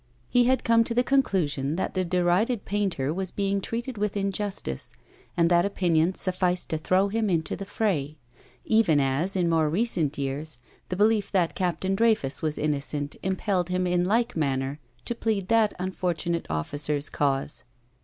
He had come to the conclusion that the derided painter was being treated with injustice, and that opinion sufficed to throw him into the fray; even as, in more recent years, the belief that Captain Dreyfus was innocent impelled him in like manner to plead that unfortunate officer's cause.